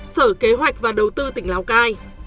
sở kế hoạch và đầu tư tỉnh lào cai